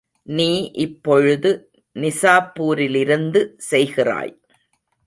நீ இப்பொழுது நிசாப்பூரிலிருந்து செய்கிறாய்.